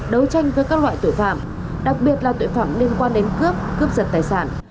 đấu tranh với các loại tội phạm đặc biệt là tội phạm liên quan đến cướp cướp giật tài sản